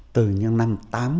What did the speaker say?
từ những năm tám mươi